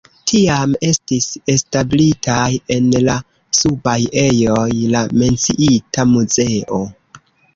Tiam estis establitaj en la subaj ejoj la menciita muzeo.